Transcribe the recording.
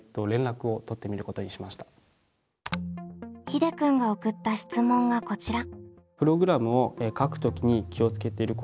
ひでくんが送った質問がこちら。